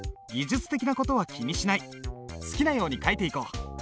好きなように書いていこう。